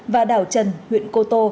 và đảo trần huyện cô tô